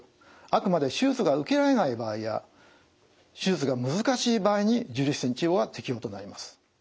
あくまで手術が受けられない場合や手術が難しい場合に重粒子線治療は適応となります。